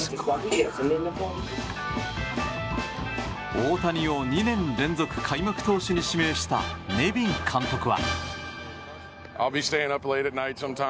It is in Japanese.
大谷を２年連続、開幕投手に指名したネビン監督は。